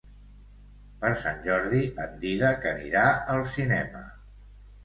Per Sant Jordi en Dídac anirà al cinema.